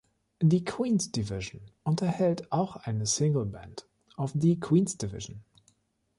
Die Queen‘s Division unterhält auch eine Single Band ofthe Queen‘s Division.